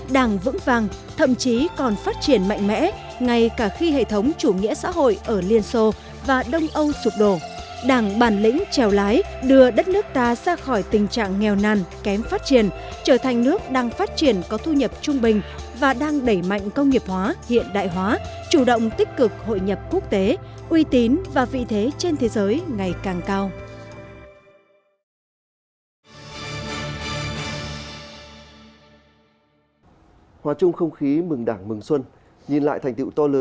đảng vững vàng thậm chí còn phát triển mạnh mẽ ngay cả khi hệ thống chủ nghĩa xã hội ở liên xô và đông âu sụp đổ đảng bàn lĩnh trèo lái đưa đất nước ta ra khỏi tình trạng nghèo nàn kém phát triển trở thành nước đang phát triển có thu nhập trung bình và đang đẩy mạnh công nghiệp hóa hiện đại hóa chủ động tích cực hội nhập quốc tế uy tín và vị thế trên thế giới ngày càng cao